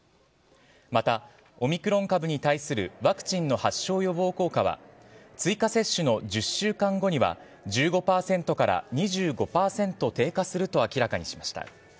また、オミクロン株に対するワクチンの発症予防効果は追加接種の１０週間後には１５％から２５％低下すると明らかにしました。